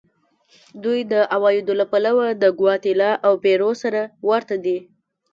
دوی د عوایدو له پلوه د ګواتیلا او پیرو سره ورته دي.